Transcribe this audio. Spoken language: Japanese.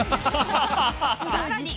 さらに。